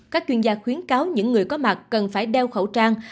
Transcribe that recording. các chuyên gia khuyến cáo những người có mặt cần phải đeo khẩu trang